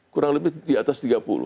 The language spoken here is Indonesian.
kurang lebih di atas tiga puluh